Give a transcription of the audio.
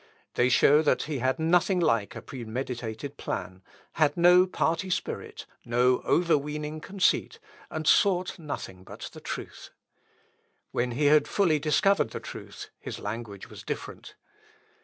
They show that he had nothing like a premeditated plan, had no party spirit, no overweening conceit, and sought nothing but the truth. When he had fully discovered the truth, his language was different.